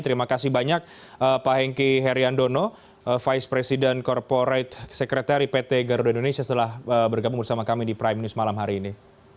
terima kasih banyak pak hengki heriandono vice president corporate secretary pt garuda indonesia telah bergabung bersama kami di prime news malam hari ini